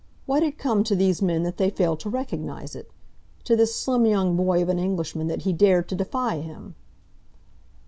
What had come to these men that they failed to recognise it? to this slim young boy of an Englishman that he dared to defy him?